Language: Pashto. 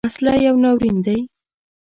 وسله یو ناورین دی